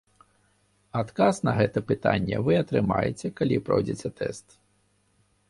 Адказ на гэта пытанне вы атрымаеце, калі пройдзеце тэст.